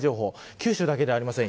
九州だけではありません。